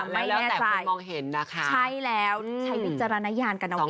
ไม่แล้วแต่คนมองเห็นนะคะใช่แล้วใช้วิจารณญาณกันเอาไว้